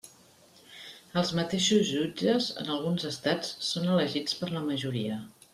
Els mateixos jutges, en alguns estats, són elegits per la majoria.